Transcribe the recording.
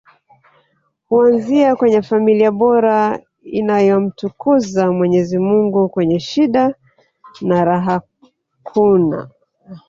huanzia kwenye familia bora inayomtukuza mwenyezi mungu kwenye shida na raha kuna